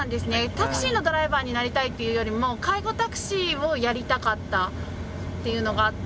タクシーのドライバーになりたいっていうよりも介護タクシーをやりたかったっていうのがあって。